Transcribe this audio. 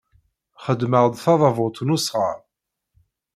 Xedmeɣ-d tadabut n usɣar.